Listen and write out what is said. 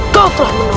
kau telah menolongmu